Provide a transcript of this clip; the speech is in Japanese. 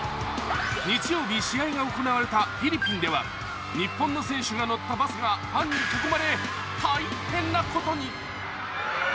日曜日試合が行われたフィリピンでは、日本の選手が乗ったバスがファンに囲まれ大変なことに。